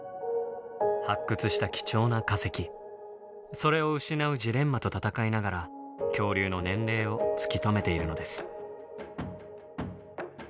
それを失うジレンマと闘いながら恐竜の年齢を突き止めているのです。